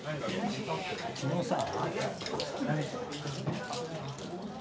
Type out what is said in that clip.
昨日さ。